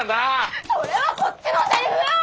それはこっちのセリフよ！